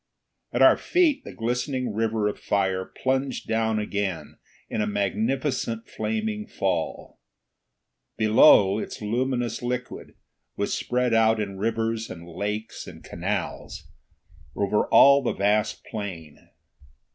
At our feet the glistening river of fire plunged down again in a magnificent flaming fall. Below, its luminous liquid was spread out in rivers and lakes and canals, over all the vast plain.